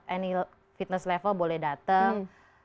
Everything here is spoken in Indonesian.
any fitness level boleh datang